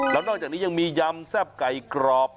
แล้วนอกจากนี้ยังมียำแซ่บไก่กรอบ